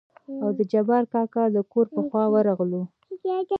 او د جبار کاکا دکور په خوا ورغلو.